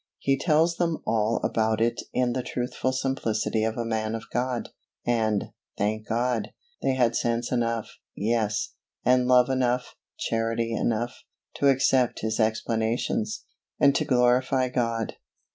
He tells them all about it in the truthful simplicity of a man of God, and, thank God, they had sense enough yes, and love enough, charity enough, to accept his explanations, and to glorify God.